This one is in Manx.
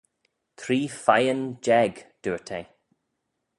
Three feiyghyn jeig, dooyrt eh.